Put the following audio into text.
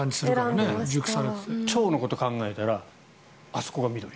腸のことを考えたらあそこが緑。